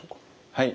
はい。